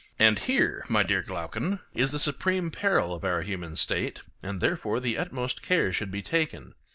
And here, my dear Glaucon, is the supreme peril of our human state; and therefore the utmost care should be taken.